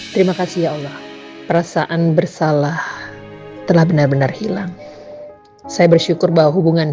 terima kasih ya allah perasaan bersalah telah benar benar hilang saya bersyukur bahwa hubungan